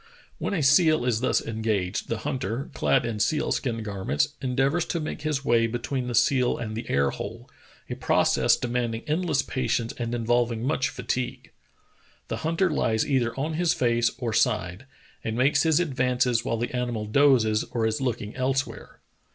When a seal is thus en gaged the hunter, clad in seal skin garments, endeavors to make his way between the seal and the air hole, a process demanding endless patience and inv^olving much fatigue. The hunter lies either on his face or side, and makes his advances while the animal dozes or is looking elsewhere.